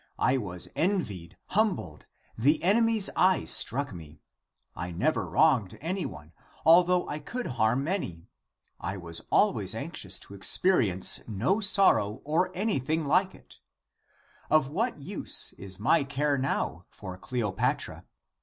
I was envied, humbled, the enemy's eye struck me. I never wronged anyone, although I could harm many. I was always anxious to experience no sor 138 THE APOCRYPHAL ACTS row or anything like it! Of what use is my care now for Cleopatra